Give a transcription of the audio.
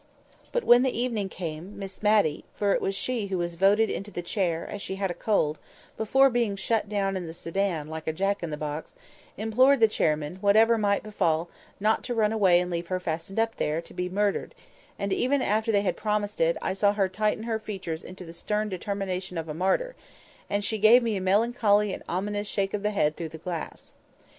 But when the evening came, Miss Matty (for it was she who was voted into the chair, as she had a cold), before being shut down in the sedan, like jack in a box, implored the chairmen, whatever might befall, not to run away and leave her fastened up there, to be murdered; and even after they had promised, I saw her tighten her features into the stern determination of a martyr, and she gave me a melancholy and ominous shake of the head through the glass.